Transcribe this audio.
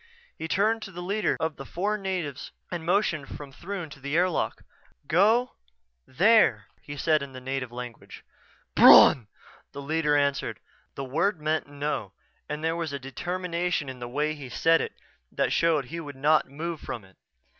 He turned to the leader of the four natives and motioned from Throon to the airlock. "Go there," he said in the native language. "Bron!" the leader answered. The word meant "No" and there was a determination in the way he said it that showed he would not move from it.